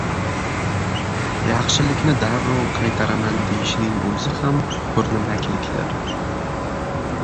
Yaxshilikni darrov qaytaraman deyishning o‘zi ham ko‘rnamaklikdir.